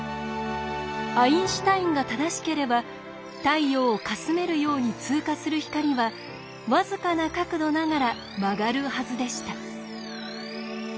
アインシュタインが正しければ太陽をかすめるように通過する光は僅かな角度ながら曲がるはずでした。